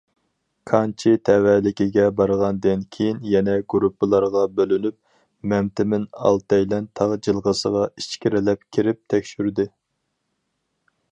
‹‹ كانچى›› تەۋەلىكىگە بارغاندىن كېيىن، يەنە گۇرۇپپىلارغا بۆلۈنۈپ، مەمتىمىن ئالتەيلەن تاغ جىلغىسىغا ئىچكىرىلەپ كىرىپ تەكشۈردى.